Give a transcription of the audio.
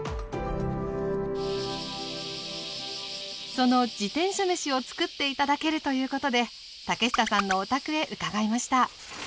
その自転車めしをつくって頂けるということで竹下さんのお宅へ伺いました。